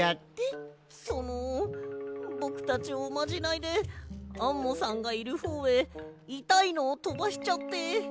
そのぼくたちおまじないでアンモさんがいるほうへいたいのをとばしちゃって。